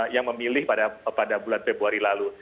yang memilih pada bulan februari lalu